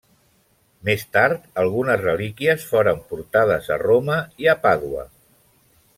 Més tard, algunes relíquies foren portades a Roma i a Pàdua.